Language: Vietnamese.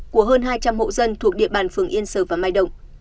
của hơn hai trăm linh hộ dân thuộc địa bàn phường yên sở và mai động